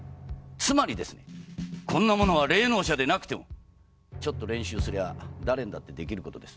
つまりですねこんなものは霊能者でなくてもちょっと練習すりゃ誰にだってできることです。